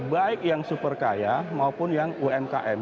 baik yang super kaya maupun yang umkm